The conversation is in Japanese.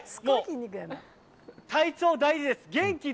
体調大事です。